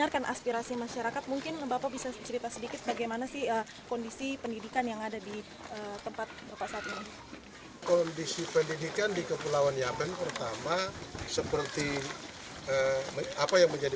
kami ingin untuk punya bangunan sendiri